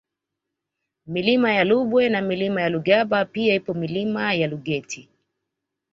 Milima ya Lubwe na Mlima Lugaba pia ipo Milima ya Lugeti